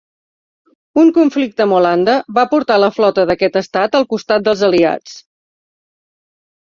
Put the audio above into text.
Un conflicte amb Holanda, va portar la flota d'aquest estat al costat dels aliats.